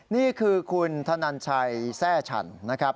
นี่คือคุณธนันชัยแทร่ฉันนะครับ